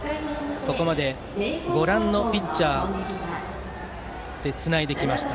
ここまでご覧のピッチャーでつないできました。